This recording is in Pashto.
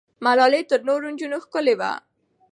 ملالۍ تر نورو نجونو ښکلې وه.